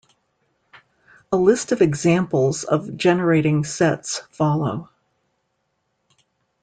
A list of examples of generating sets follow.